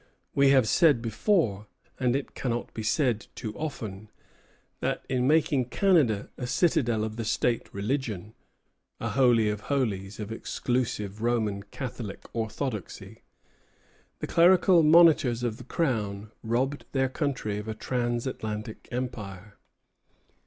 We have said before, and it cannot be said too often, that in making Canada a citadel of the state religion, a holy of holies of exclusive Roman Catholic orthodoxy, the clerical monitors of the Crown robbed their country of a trans Atlantic empire.